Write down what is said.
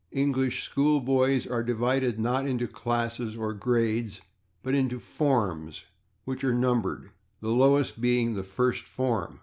English school boys are divided, not into /classes/, or /grades/, but into /forms/, which are numbered, the lowest being the /first form